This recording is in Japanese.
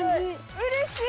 うれしい！